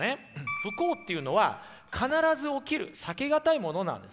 不幸っていうのは必ず起きる避けがたいものなんです。